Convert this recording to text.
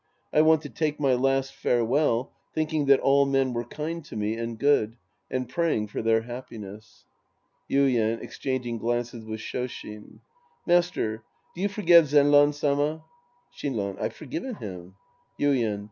I want to take my last farewell thinking that all men were kind to me and good, and praying for their happiness. Yuien {exchanging glances with Sh5shin). Master, do you forgive Zenran Sama ? Shinran. I've forgiven liim. Yuien.